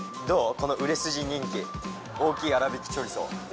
この売れ筋人気大きいあらびきチョリソー